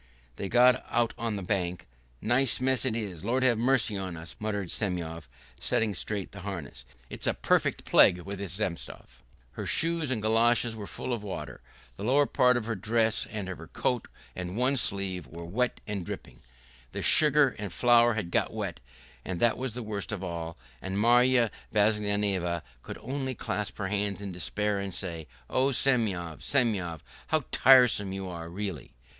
They got out on the bank. "Nice mess it is, Lord have mercy upon us!" muttered Semyon, setting straight the harness. "It's a perfect plague with this Zemstvo...." Her shoes and goloshes were full of water, the lower part of her dress and of her coat and one sleeve were wet and dripping: the sugar and flour had got wet, and that was worst of all, and Marya Vassilyevna could only clasp her hands in despair and say: "Oh, Semyon, Semyon! How tiresome you are really!..."